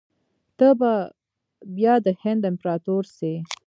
ته به بیا د هند امپراطور سې.